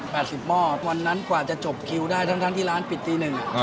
สิบหม้อวันนั้นกว่าจะจบคิวได้ทั้งทั้งที่ร้านปิดตีหนึ่ง